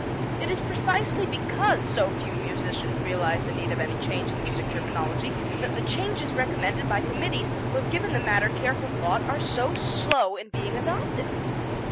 It is precisely because so few musicians realize the need of any change in music terminology that the changes recommended by committees who have given the matter careful thought are so slow in being adopted.